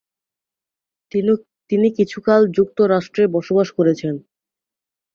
তিনি কিছুকাল যুক্তরাষ্ট্রে বসবাস করেছেন।